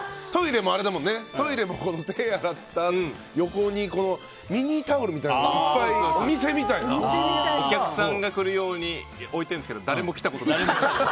トイレも手を洗った横にミニタオルみたいなのをいっぱいお客さんが来る用に置いてるんですけど誰も来たことないです。